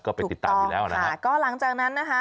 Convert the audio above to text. ก็ไปติดตามอยู่แล้วนะครับค่ะถูกต้องค่ะก็หลังจากนั้นนะฮะ